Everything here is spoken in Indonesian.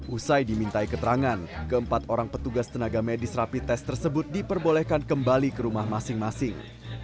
usai dimintai keterangan keempat orang petugas tenaga medis rapi tes tersebut diperbolehkan kembali ke rumah masing masing